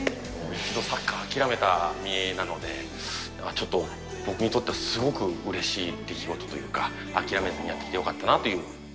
一度サッカー諦めた身なので、ちょっと僕にとってはすごくうれしい出来事というか、諦めずにやってきてよかったなっていう。